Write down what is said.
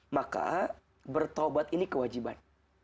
maka bertaubat ini kewajiban